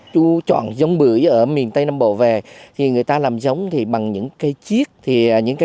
chú chọn giống bưởi ở miền tây nam bộ về thì người ta làm giống thì bằng những cây chiếc